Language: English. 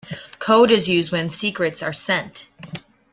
Code is used when secrets are sent.